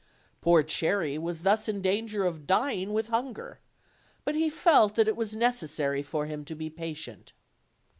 Poor Cherry was thus in danger of dying with hunger, but he felt that it was necessary for him to be patient.